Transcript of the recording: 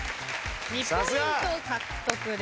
２ポイント獲得です。